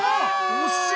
惜しい！